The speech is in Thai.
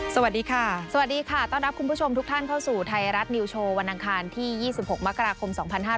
สวัสดีค่ะสวัสดีค่ะต้อนรับคุณผู้ชมทุกท่านเข้าสู่ไทยรัฐนิวโชว์วันอังคารที่๒๖มกราคม๒๕๕๙